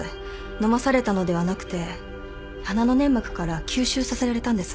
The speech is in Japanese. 飲まされたのではなくて鼻の粘膜から吸収させられたんです。